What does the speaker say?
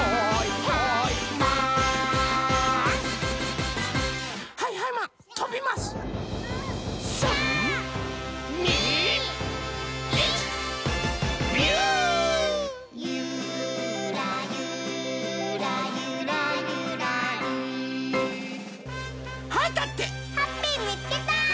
ハッピーみつけた！